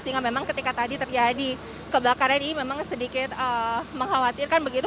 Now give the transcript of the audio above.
sehingga memang ketika tadi terjadi kebakaran ini memang sedikit mengkhawatirkan begitu